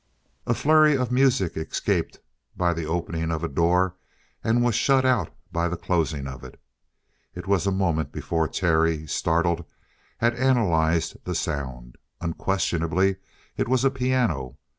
A flurry of music escaped by the opening of a door and was shut out by the closing of it. It was a moment before Terry, startled, had analyzed the sound. Unquestionably it was a piano.